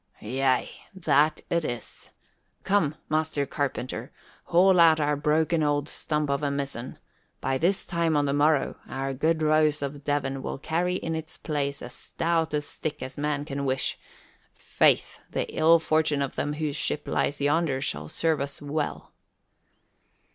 "Yea, that it is! Come, Master Carpenter, haul out our broken old stump of a mizzen. By this time on the morrow our good Rose of Devon will carry in its place as stout a stick as man can wish. Faith, the ill fortune of them whose ship lies yonder shall serve us well."